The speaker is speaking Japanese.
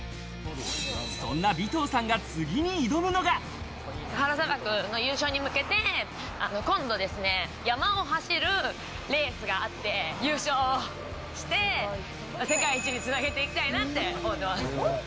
そんな尾藤さんがサハラ砂漠の優勝に向けて山を走るレースがあって優勝して、世界一につなげていきたいなって思ってます。